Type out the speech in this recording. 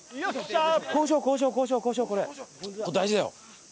これ大事だよ。